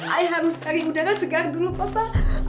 ay harus tari udara segar dulu papa